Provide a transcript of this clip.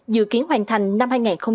dự kiến hoàn thành năm hai nghìn hai mươi năm